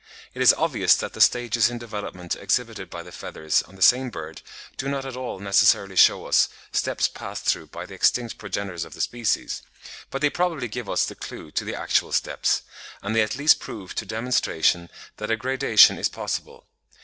It is obvious that the stages in development exhibited by the feathers on the same bird do not at all necessarily shew us the steps passed through by the extinct progenitors of the species; but they probably give us the clue to the actual steps, and they at least prove to demonstration that a gradation is possible.